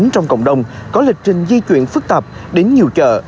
trong cộng đồng có lịch trình di chuyển phức tạp đến nhiều chợ